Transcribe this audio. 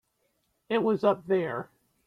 It was up there.